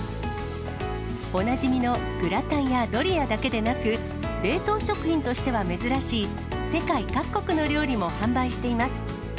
おなじみのグラタンやドリアだけでなく、冷凍食品として珍しい世界各国の料理も販売しています。